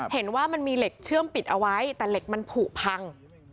เห็นว่ามันมีเหล็กเชื่อมปิดเอาไว้แต่เหล็กมันผูกพัง